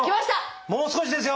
もう少しですよ！